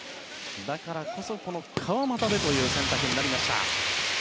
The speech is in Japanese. だからこそ、川真田でという選択になりました。